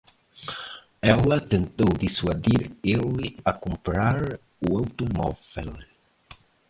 Ela tentou dissuadir ele a comprar o automóvel.